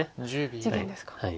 事件ですか。